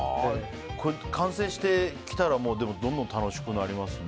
完成してきたらどんどん楽しくなりますね。